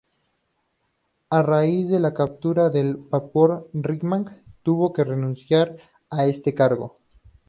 A raíz de la Captura del vapor Rímac, tuvo que renunciar a este cargo.